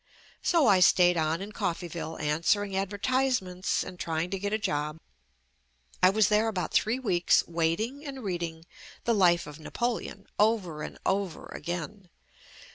So I stayed on in JUST ME Coffeyville answering advertisements and try ing to get a job. I was there about three weeks waiting and reading "The Life of Napoleon" over and over again.